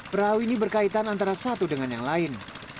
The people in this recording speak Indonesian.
perahu ini berkaitan antara satu dengan yang lain